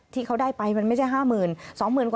ที่เขาได้ไปมันไม่ใช่๕๐๐๐กว่า